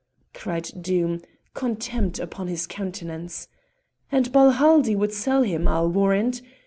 cried Doom, contempt upon his countenance. "And Balhaldie would sell him, I'll warrant.